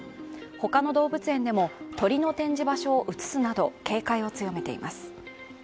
他の動物園でも鳥の展示場所を移すなど警戒を強めています。